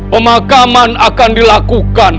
pemakaman akan dilakukan